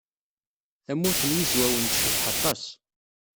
Tamurt n Yizwawen tecbeḥ aṭas.